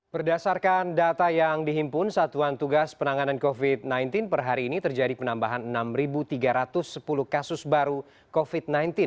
berdasarkan data yang dihimpun satuan tugas penanganan covid sembilan belas per hari ini terjadi penambahan enam tiga ratus sepuluh kasus baru covid sembilan belas